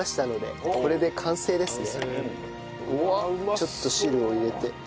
ちょっと汁を入れて。